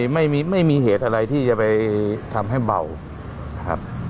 ไม่มีเหตุอะไรที่จะไปทำให้เบาครับ